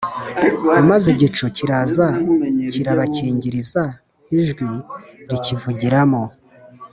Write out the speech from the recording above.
Maze igicu kiraza kirabakingiriza ijwi rikivugiramo